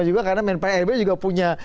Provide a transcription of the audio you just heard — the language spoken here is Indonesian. juga karena menkpan rb juga punya